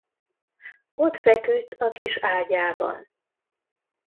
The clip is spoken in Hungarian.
Ott feküdt a kis ágyában.